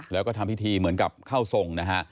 แล้วก็ทำพิธีเหมือนกับเข้าทรงนะฮะ